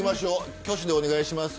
挙手でお願いします。